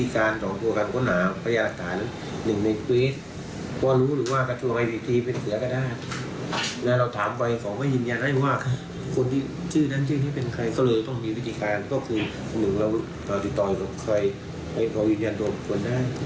ก็คือหนึ่งเราติดต่อไปกับใครเพราะยืนยันตัวเป็นคนด้าน